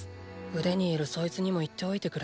腕にいるそいつにも言っておいてくれ。